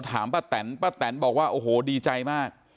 ป้าแตนป้าแตนบอกว่าโอ้โหดีใจมาก